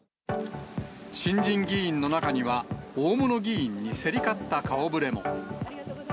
新人議員の中には、大物議員に競り勝った顔ぶれも。